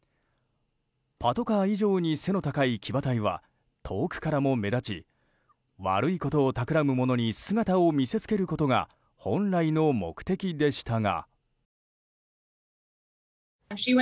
パトカー以上に背の高い騎馬隊は遠くからも目立ち悪いことをたくらむ者に姿を見せつけることが本来の目的でしたが。